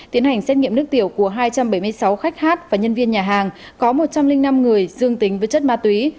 tiến hành xét nghiệm nước tiểu của hai trăm bảy mươi sáu khách hát và nhân viên nhà hàng có một trăm linh năm người dương tính với chất ma túy